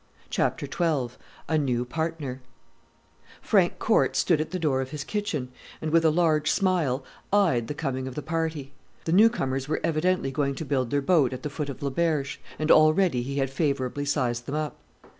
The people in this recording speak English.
CHAPTER XII A NEW PARTNER Frank Corte stood at the door of his kitchen and, with a large smile, eyed the coming of the party. The new comers were evidently going to build their boat at the foot of Le Berge; and already he had favourably sized them up.